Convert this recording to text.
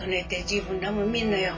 自分らもみんなよ。